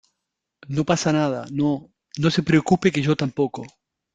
no pasa nada. no, no se preocupe que yo tampoco